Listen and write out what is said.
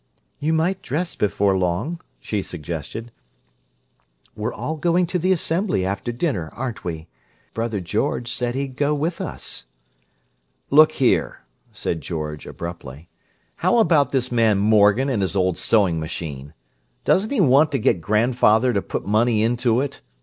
"You might dress before long," she suggested. "We're all going to the Assembly, after dinner, aren't we? Brother George said he'd go with us." "Look here," said George abruptly. "How about this man Morgan and his old sewing machine? Doesn't he want to get grandfather to put money into it?